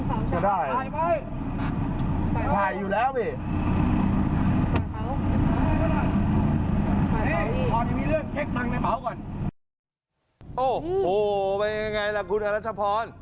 โอ้โหเป็นยังไงล่ะคุณอรัชพร